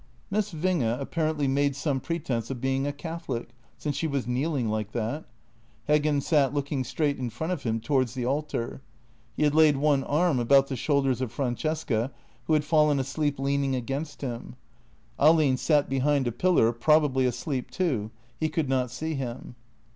Miss Winge apparently made some pretence of being a Cath olic, since she was kneeling like that. Heggen sat looking straight in front of him towards the altar. He had laid one arm about the shoulders of Francesca, who had fallen asleep leaning against him. Ahlin sat behind a pillar, probably asleep too — he could not see him.